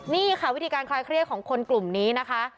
นี่ค่ะวิธีการคลายเครียดของคนกลุ่มนี้นะคะ